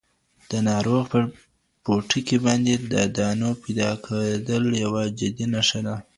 د ناروغ په پوټکي باندې د دانو پیدا کېدل یوه جدي نښه ده.